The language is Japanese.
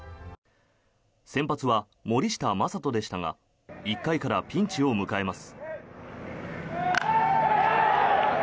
先発は森下暢仁でしたが１回からピンチを迎えます。